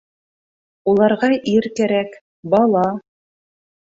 Уларға ир кәрәк, бала!